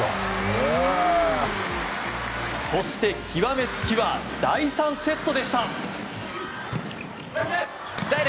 そして極め付きは第３セットでした。